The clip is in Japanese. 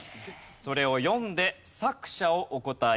それを読んで作者をお答え頂きます。